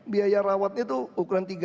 biaya rawatnya itu ukuran tiga puluh enam